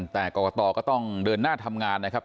แต่กรกตก็ต้องเดินหน้าทำงานนะครับ